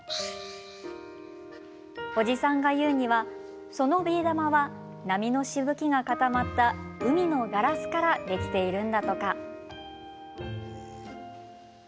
おじさんが言うにはそのビー玉は波のしぶきが固まった海のガラスからできているんだとか。